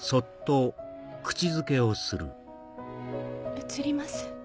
うつります。